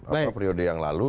apa periode yang lalu